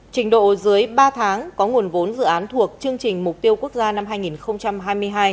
trình độ dưới ba tháng có nguồn vốn dự án thuộc chương trình mục tiêu quốc gia năm hai nghìn hai mươi hai